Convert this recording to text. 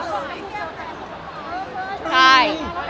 เอาเรื่องต่อไป